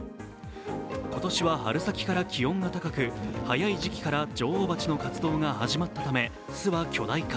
今年は春先から気温が高く、早い時期から女王蜂の活動が始まったため素は巨大化。